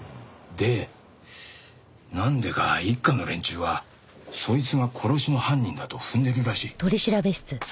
でなんでか一課の連中はそいつが殺しの犯人だと踏んでるらしい。